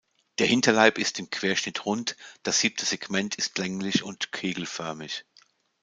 Der Hinterleib ist im Querschnitt rund, das siebte Segment ist länglich und kegelförmig.